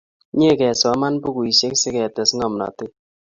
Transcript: Mye kesoman pukuisyek siketes ng'omnatet